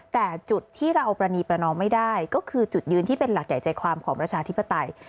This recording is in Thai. แต่จุดที่เราประณีประนอมไม่ได้ก็คือจุดยืนที่เป็นหลักใหญ่ใจความของประชาธิปไตย